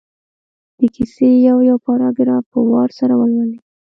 د کیسې یو یو پراګراف په وار سره ولولي.